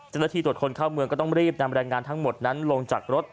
เจ้าหน้าที่ตรวจคนเข้าเมืองก็ต้องรีบนำแรงงานทั้งหมดนั้นลงจากรถ